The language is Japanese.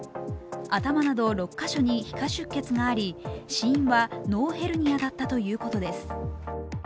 頭など６カ所に皮下出血があり死因は脳ヘルニアだったということです。